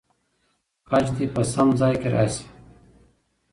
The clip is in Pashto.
خج دې په سم ځای کې راسي.